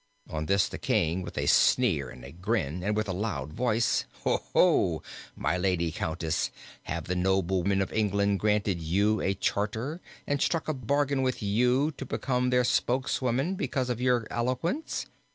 On this the king, with a sneer and a grin, said with a loud voice, "Ho, ho, my lady countess, have the noblemen of England granted you a charter and struck a bargain with you to become their spokeswoman because of your eloquence?"